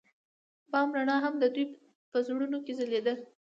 د بام رڼا هم د دوی په زړونو کې ځلېده.